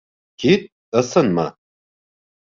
Кит, ысынмы?